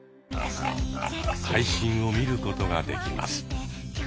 配信を見ることができます。